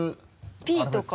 「Ｐ」とか。